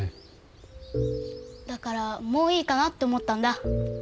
だからもういいかなって思ったんだ。